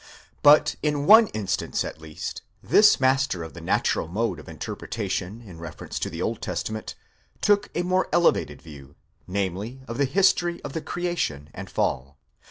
But in one instance at least, this master of the natural mode of interpreta tion in reference to the Old Testament, took a more elevated view :—namely, of the history of the creation and the fall.